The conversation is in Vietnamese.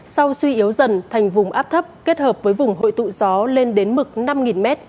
sau suy yếu dần thành vùng áp thấp kết hợp với vùng hội tụ gió lên đến mực năm m